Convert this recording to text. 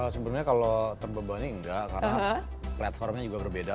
sebenarnya kalau terbebani enggak karena platformnya juga berbeda